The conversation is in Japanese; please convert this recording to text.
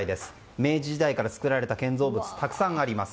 明治時代から作られた建造物たくさんあります。